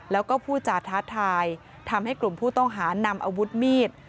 แล้วก็ผู้จาท้าทายทำให้กลุ่มผู้ต้องหานำอาวุธมีด